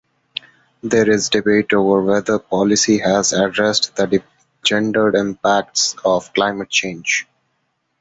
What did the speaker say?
There is debate over whether policy has addressed the gendered impacts of climate change.